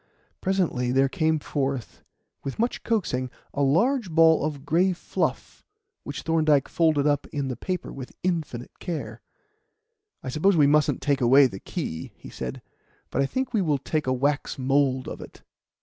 Presently there came forth, with much coaxing, a large ball of grey fluff, which Thorndyke folded up in the paper with infinite care. "I suppose we mustn't take away the key," he said, "but I think we will take a wax mould of it."